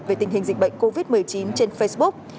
về tình hình dịch bệnh covid một mươi chín trên facebook